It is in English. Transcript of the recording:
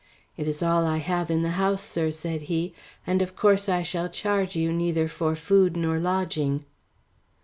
"It is all I have in the house, sir," said he, "and of course I shall charge you neither for food nor lodging."